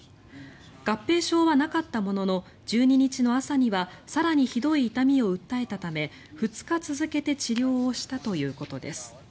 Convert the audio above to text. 合併症はなかったものの１２日の朝には更にひどい痛みを訴えたため２日続けて治療をしたということです。